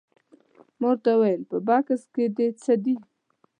ما ورته وویل په بکس کې دې څه دي؟